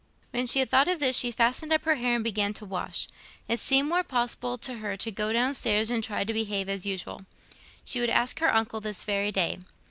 When she had thought of this, she fastened up her hair and began to wash: it seemed more possible to her to go downstairs and try to behave as usual. She would ask her uncle this very day.